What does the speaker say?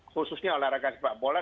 khususnya olahraga sepak bola